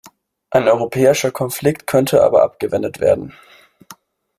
Ein europäischer Konflikt konnte aber abgewendet werden.